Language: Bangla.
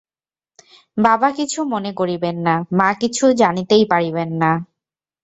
বাবা কিছু মনে করিবেন না, মা কিছু জানিতেই পারিবেন না।